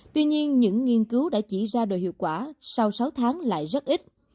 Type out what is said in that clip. tuy nhiên những nghiên cứu đã chỉ ra đồ hiệu quả sau sáu tháng lại rất ít